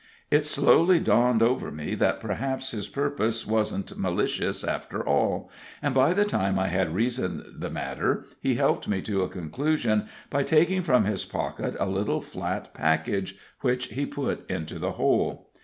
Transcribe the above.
It slowly dawned over me that perhaps his purpose wasn't malicious, after all; and by the time I had reasoned the matter he helped me to a conclusion by taking from his pocket a little flat package, which he put into the hole.